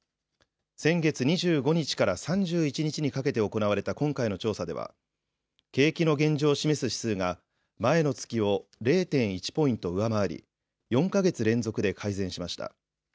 先月２５日から３１日にかけて行われた今回の調査では景気の現状を示す指数が前の月を０．１ポイント上回り４か月連続で改善しました。